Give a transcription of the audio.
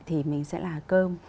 thì mình sẽ là cơm